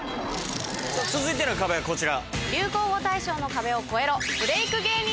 続いての壁はこちら。